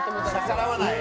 逆らわない？